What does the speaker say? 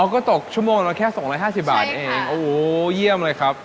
ก็ตกชั่วโมงละแค่๒๕๐บาทเองโอ้โหเยี่ยมเลยครับ